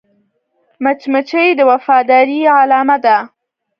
مچمچۍ د وفادارۍ علامه ده